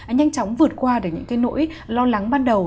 nhanh chóng vượt qua được những nỗi lo lắng ban đầu